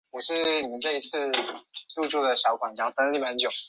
此版本通过提供无分享架构而允许软件更强的可伸缩性。